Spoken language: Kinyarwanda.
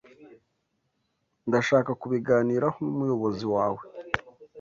Ndashaka kubiganiraho numuyobozi wawe.